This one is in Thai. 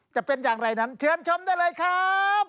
จะเป็นอย่างไรนั้นเชิญชมได้เลยครับ